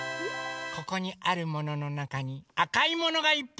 ここにあるもののなかにあかいものがいっぱいあります。